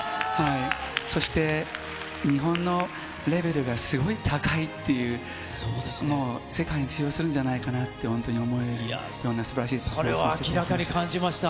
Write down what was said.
そして日本のレベルが、すごい高いっていう、もう、世界に通用するんじゃないかなって、本当に思えるような、すばらしいパフォーそれは明らかに感じました。